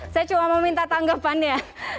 saya cuma mau minta tanggapannya